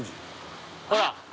ほら。